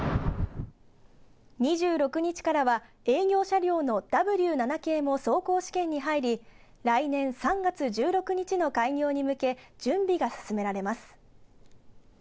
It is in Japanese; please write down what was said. ２６日からは、営業車両のＷ７系も走行試験に入り、来年３月１６日の開業に向け、準備が進められます。